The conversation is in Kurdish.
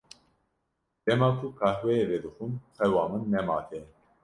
Dema ku qehweyê vedixwim xewa min nema tê.